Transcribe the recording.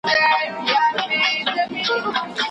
چي په هغو کي « زموږ شهید سوي عسکر»